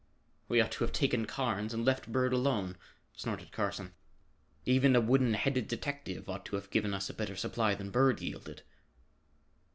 "We ought to have taken Carnes and left Bird alone," snorted Carson. "Even a wooden headed detective ought to have given us a better supply than Bird yielded."